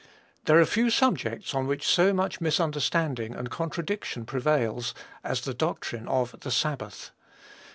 There are few subjects on which so much misunderstanding and contradiction prevails as the doctrine of "the Sabbath."